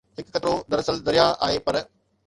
هڪ قطرو دراصل درياهه آهي پر